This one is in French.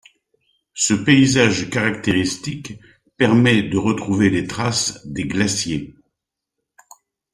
Ce paysage caractéristique permet de retrouver les traces des glaciers.